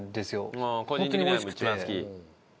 もう個人的には一番好き？